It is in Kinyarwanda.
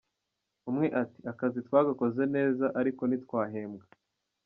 Umwe ati “ Akazi twagakoze neza, ariko ntitwahembwa.